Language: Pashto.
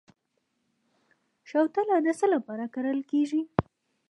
شوتله د څه لپاره کرل کیږي؟